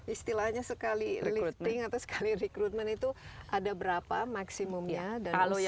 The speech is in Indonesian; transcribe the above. istilahnya sekali lifting atau sekali recruitment itu ada berapa maksimumnya